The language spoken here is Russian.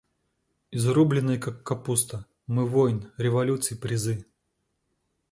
Изрубленные, как капуста, мы войн, революций призы.